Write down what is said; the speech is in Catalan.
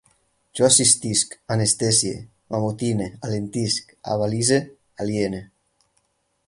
Jo assistisc, anestesie, m'amotine, alentisc, abalise, aliene